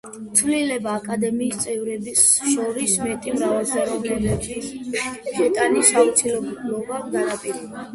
ცვლილება აკადემიის წევრებს შორის მეტი მრავალფეროვნების შეტანის აუცილებლობამ განაპირობა.